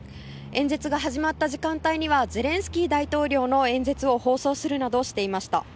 演説が始まった時間帯にはゼレンスキー大統領の演説を放送するなどしていました。